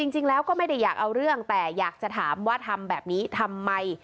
จริงแล้วก็ไม่ได้อยากเอาเรื่องแต่อยากจะถามว่าทำแบบนี้ทำไม